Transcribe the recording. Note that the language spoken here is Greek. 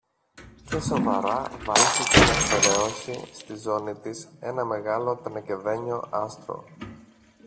και σοβαρά βάλθηκε να στερεώσει στη ζώνη της ένα μεγάλο τενεκεδένιο άστρο.